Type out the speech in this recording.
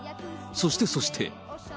そしてそして。